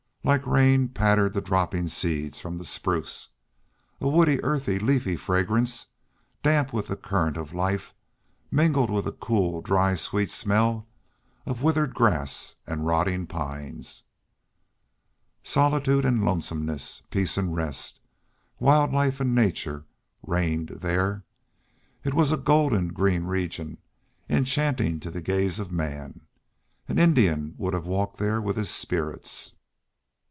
Like rain pattered the dropping seeds from the spruces. A woody, earthy, leafy fragrance, damp with the current of life, mingled with a cool, dry, sweet smell of withered grass and rotting pines. Solitude and lonesomeness, peace and rest, wild life and nature, reigned there. It was a golden green region, enchanting to the gaze of man. An Indian would have walked there with his spirits.